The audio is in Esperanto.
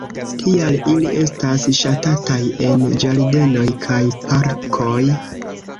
Tial ili estas ŝatataj en ĝardenoj kaj parkoj.